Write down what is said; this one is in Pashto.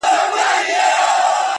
• د مرور روح د پخلا وجود کانې دي ته ـ